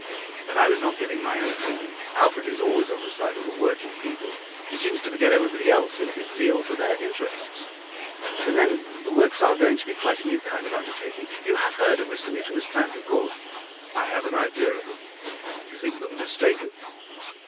And I was not giving my own opinion; Alfred's is always on the side of the working people; he seems to forget everybody else in his zeal for their interests. And then, the works are going to be quite a new kind of undertaking. You have heard of Mr. Mutimer's plans of course?' 'I have an idea of them.' 'You think them mistaken?